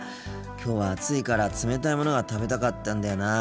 きょうは暑いから冷たいものが食べたかったんだよな。